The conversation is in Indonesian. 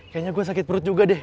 kayaknya gue sakit perut juga deh